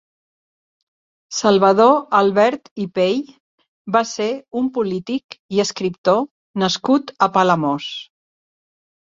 Salvador Albert i Pey va ser un polític i escriptor nascut a Palamós.